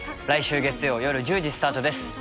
来週月曜夜１０時スタートです。